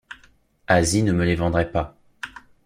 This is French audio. Asie ne me les vendrait pas.